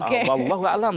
alhamdulillah nggak alam